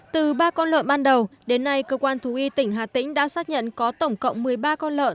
từ ba con lợn ban đầu đến nay cơ quan thú y tỉnh hà tĩnh đã xác nhận có tổng cộng một mươi ba con lợn